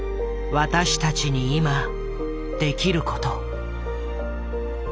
私たちに今できること。